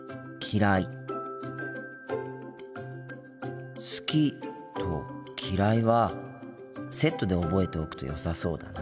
心の声「好き」と「嫌い」はセットで覚えておくとよさそうだな。